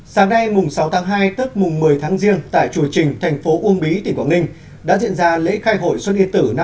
sáng nay mùng sáu tháng hai tức mùng một mươi tháng riêng tại chùa trình thành phố uông bí tỉnh quảng ninh đã diễn ra lễ khai hội xuân yên tử năm hai nghìn hai mươi